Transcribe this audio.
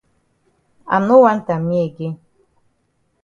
I no want am me again.